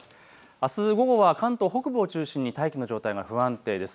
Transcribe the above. あす午後は関東北部を中心に大気の状態が不安定です。